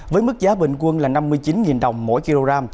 với mức giá bình quân là năm mươi chín đồng mỗi kg